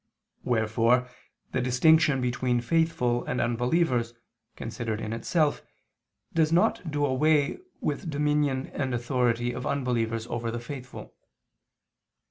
Wherefore the distinction between faithful and unbelievers, considered in itself, does not do away with dominion and authority of unbelievers over the faithful.